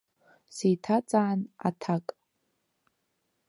Сеиҭаҵаан, аҭак.